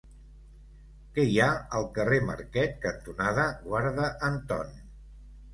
Què hi ha al carrer Marquet cantonada Guarda Anton?